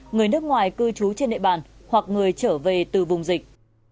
người nước ngoài cư trú trên địa bàn hoặc người trở về từ vùng dịch